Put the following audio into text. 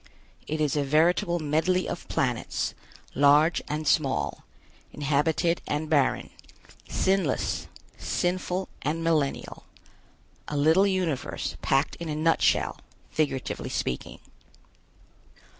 It is a veritable medley of planets, large and small, inhabited and barren, sinless, sinful and millennial. A little universe packed in a nutshell, figuratively speaking.